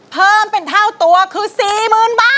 เพิ่มเป็นเท่าตัวคือ๔๐๐๐บาท